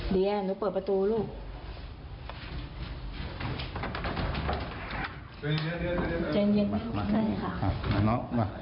มันเคิร์ลกออกแล้วนะ